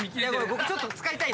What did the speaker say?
僕ちょっと使いたいんだ。